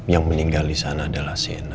yang meninggal di sana adalah cna